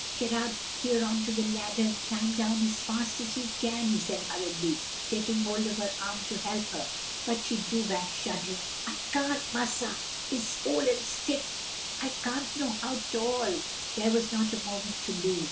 "Get out here on to the ladder and climb down as fast as you can," he said hurriedly, taking hold of her arm to help her. But she drew back shuddering. "I can't, massa! I'se ole and stiff. I can't no how 'tall." There was not a moment to lose.